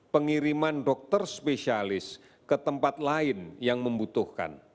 pengiriman dokter spesialis ke tempat lain yang membutuhkan